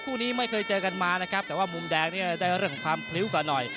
คู่นี้ไม่เคยเจอกันมานะครับแต่ว่ามุมแดงเนี่ยได้เรื่องความพริ้วกว่าหน่อย